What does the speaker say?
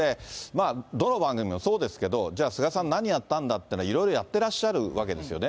どの番組もそうですけれども、じゃあ、菅さん、何やったんだっていうのをいろいろやってらっしゃるわけですよね。